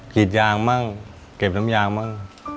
เกตยางบ้างเก็บน้ำยางบ้าง